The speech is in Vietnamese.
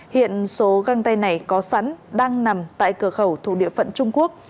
hiện số găng tay này có sẵn đang nằm tại cửa khẩu thuộc địa phận trung quốc